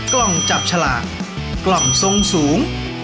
กล่องจับฉลากกล่องทรงสูง